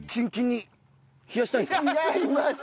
違います。